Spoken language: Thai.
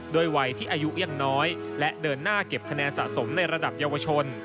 วัยที่อายุยังน้อยและเดินหน้าเก็บคะแนนสะสมในระดับเยาวชน